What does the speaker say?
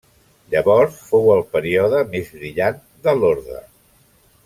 Llavors fou el període més brillant de l'orde.